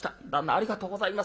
ありがとうございます。